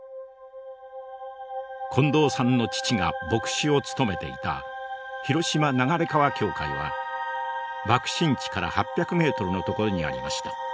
近藤さんの父が牧師を務めていた広島流川教会は爆心地から８００ｍの所にありました。